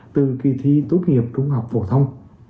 từ kỳ thi tốt nghiệp trung học phổ thông